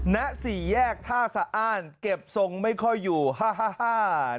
ณสี่แยกท่าสะอ้านเก็บทรงไม่ค่อยอยู่ฮ่าฮ่าฮ่า